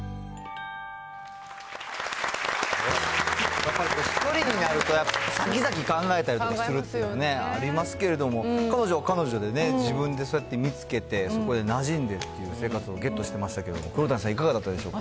やっぱりこう、１人になると先々考えたりとかするっていうね、ありますけれども、彼女は彼女でね、自分でそうやって見つけて、そこでなじんでっていう生活をゲットしてましたけれども、黒谷さん、いかがだったでしょうか？